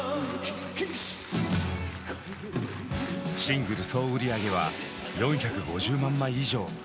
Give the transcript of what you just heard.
シングル総売上は４５０万枚以上。